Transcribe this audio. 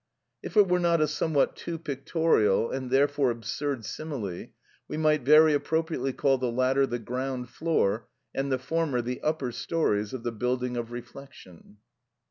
If it were not a somewhat too pictorial and therefore absurd simile, we might very appropriately call the latter the ground floor, and the former the upper stories of the building of reflection.